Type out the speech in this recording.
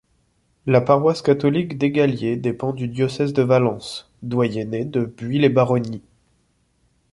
La paroisse catholique d'Eygaliers dépend du Diocèse de Valence, doyenné de Buis-les-Baronnies.